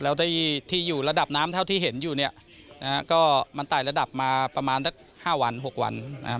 แล้วได้ที่อยู่ระดับน้ำเท่าที่เห็นอยู่เนี่ยนะฮะก็มันไต่ระดับมาประมาณสัก๕วัน๖วันนะครับ